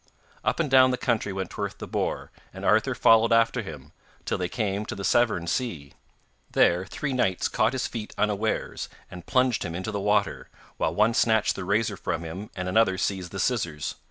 Up and down the country went Trwyth the boar, and Arthur followed after him, till they came to the Severn sea. There three knights caught his feet unawares and plunged him into the water, while one snatched the razor from him, and another seized the scissors.